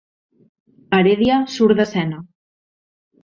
Heredia surt d'escena.